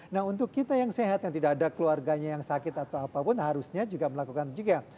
nah untuk kita yang sehat yang tidak ada keluarganya yang sakit atau apapun harusnya juga melakukan cegah